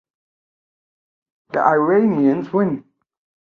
The Iranians win.